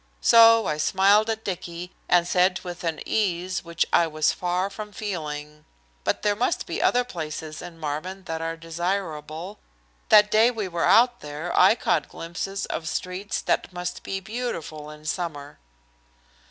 So I smiled at Dicky and said with an ease which I was far from feeling: "But there must be other places in Marvin that are desirable. That day we were out there I caught glimpses of streets that must be beautiful in summer."